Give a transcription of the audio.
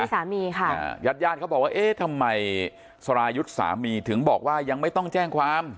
สามีค่ะญาติญาติเขาบอกว่าเอ๊ะทำไมสรายุทธ์สามีถึงบอกว่ายังไม่ต้องแจ้งความ